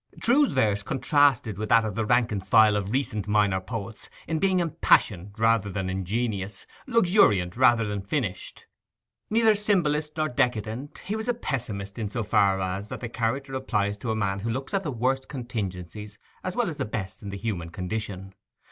Trewe's verse contrasted with that of the rank and file of recent minor poets in being impassioned rather than ingenious, luxuriant rather than finished. Neither symboliste nor décadent, he was a pessimist in so far as that character applies to a man who looks at the worst contingencies as well as the best in the human condition.